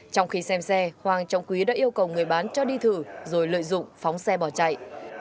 trong khi xem xe hoàng trọng quý đã yêu cầu người bán cho đi thử rồi lợi dụng phóng xe bỏ chạy